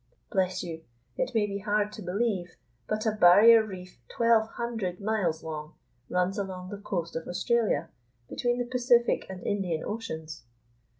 Bless you! it may be hard to believe, but a barrier reef twelve hundred miles long runs along the coast of Australia between the Pacific and Indian Oceans!